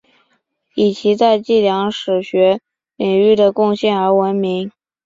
以其在计量史学领域的贡献而闻名。